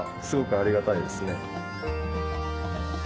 すごくありがたいですね。